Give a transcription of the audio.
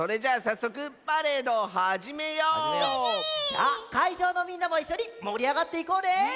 じゃあかいじょうのみんなもいっしょにもりあがっていこうね！